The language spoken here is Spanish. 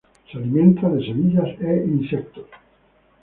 Se alimenta de semillas e insectos.